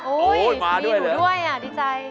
โอ้ยพี่หนูด้วยอ่ะดีใจ